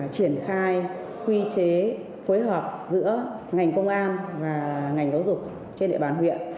triển khai quy chế phối hợp giữa ngành công an và ngành giáo dục trên địa bàn huyện